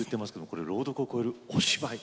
これ朗読を超えるお芝居。